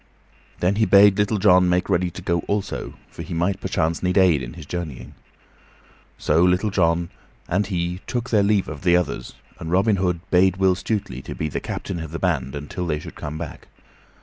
Then he bade Little John make ready to go also, for he might perchance need aid in his journeying. So Little John and he took their leave of the others, and Robin Hood bade Will Stutely be the captain of the band until they should come back.